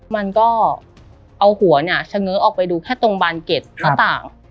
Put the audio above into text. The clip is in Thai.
มันก็เอาหัวเนี่ยเฉง้อออกไปดูแค่ตรงบานเก็ตหน้าต่าง